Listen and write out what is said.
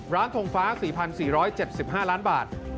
ร้านทงฟ้า๔๔๗๕๐๐๐บาท